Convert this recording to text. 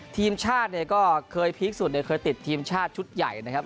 ทีมชาติก็เคยพีคสุดเคยติดทีมชาติชุดใหญ่นะครับ